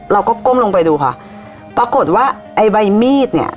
ก้มลงไปดูค่ะปรากฏว่าไอ้ใบมีดเนี่ย